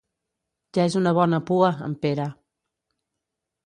Ja és una bona pua, en Pere.